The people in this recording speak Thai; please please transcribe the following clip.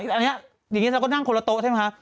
อันนี้อย่างนี้เราก็นั่งคนละโต๊ะใช่ไหมคะ